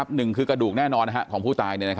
หนึ่งคือกระดูกแน่นอนของผู้ตาย